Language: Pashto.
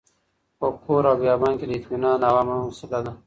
په کور او بيابان کي د اطمئنان او امن وسيله ده.